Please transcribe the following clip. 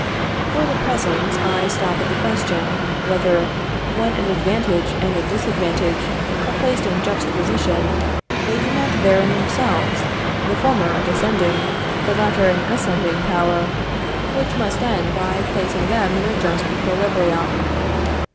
For the present, I stop at the question, whether, when an advantage and a disadvantage are placed in juxtaposition, they do not bear in themselves, the former a descending, the latter an ascending power, which must end by placing them in a just equilibrium.